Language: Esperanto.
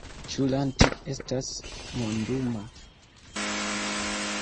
Ĉu Lanti estas monduma?